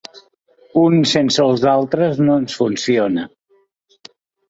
Un sense els altres no ens funciona.